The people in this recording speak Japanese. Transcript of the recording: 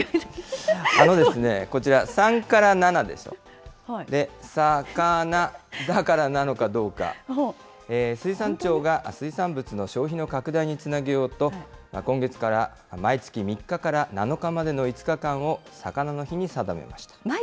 あのですね、こちら、さんからななでしょ、さかなだからなのかどうか、水産庁が水産物の消費の拡大につなげようと、今月から毎月３日から７日までの５日間をさかなの日に定めました。